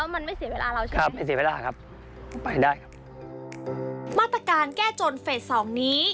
มาตรการแก้จนเฟส๒นี้